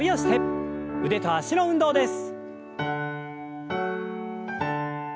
腕と脚の運動です。